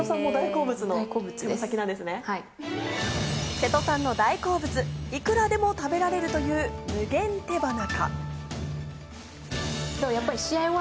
瀬戸さんの大好物、いくらでも食べられるという無限手羽中。